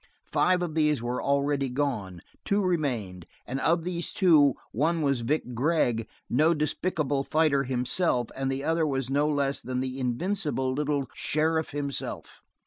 Five of these were already gone; two remained, and of these two one was Vic Gregg, no despicable fighter himself, and the other was no less than the invincible little sheriff himself.